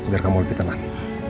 biar kamu lebih tenang